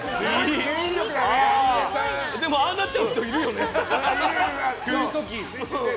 ああなっちゃう人いるよね。